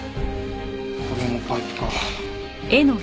これもパイプか。